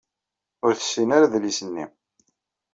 Ur tessin ara adlis-nni.